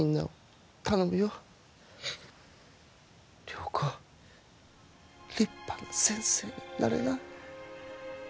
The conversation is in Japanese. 良子立派な先生になれな。